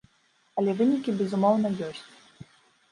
Але вынікі, безумоўна, ёсць.